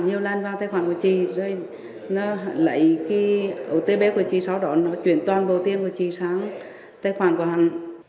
nhiều lần vào tài khoản của chị rồi lấy cái ô tê bê của chị sau đó chuyển toàn bộ tiền của chị sang tài khoản của hẳn